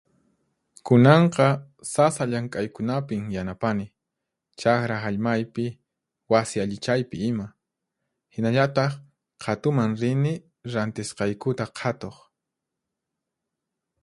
Kunanqa sasa llank'aykunapin yanapani, chaqra hallmaypi, wasi allichaypi ima. Hinallataq qhatuman rini rantisqaykuta qhatuq.